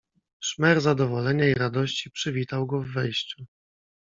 "Szmer zadowolenia i radości przywitał go w wejściu."